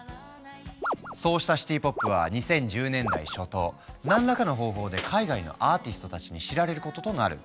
そうしたシティ・ポップは２０１０年代初頭何らかの方法で海外のアーティストたちに知られることとなる。